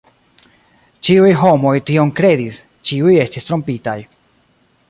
Ĉiuj homoj tion kredis; ĉiuj estis trompitaj.